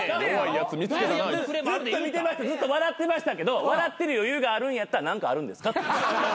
ずっと笑ってましたけど笑ってる余裕があるんやったら何かあるんですか？